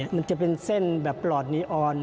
มันจะเป็นเส้นแบบปลอดนีออน